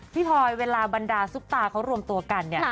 พลอยเวลาบรรดาซุปตาเขารวมตัวกันเนี่ย